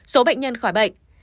số bệnh nhân khỏi bệnh